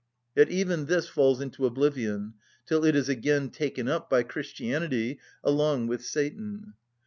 Yet even this falls into oblivion, till it is again taken up by Christianity along with Satan.